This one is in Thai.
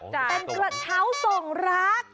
เป็นกระเช้าส่งรัก